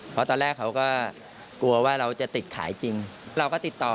เพราะตอนแรกเขาก็กลัวว่าเราจะติดขายจริงเราก็ติดต่อ